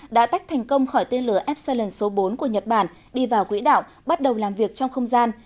đã tách thành công khỏi tên lửa epsilon số bốn của nhật bản đi vào quỹ đạo bắt đầu làm việc trong không gian